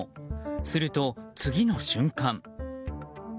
すると次の瞬間。